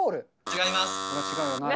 違います。